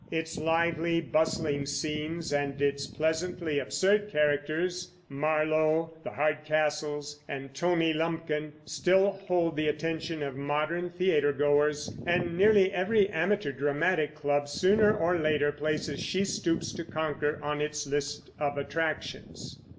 Its lively, bustling scenes, and its pleasantly absurd characters, Marlowe, the Hardcastles, and Tony Lumpkin, still hold the attention of modern theater goers; and nearly every amateur dramatic club sooner or later places She Stoops to Conquer on its list of attractions.